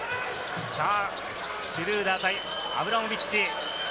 シュルーダー対アブラモビッチ。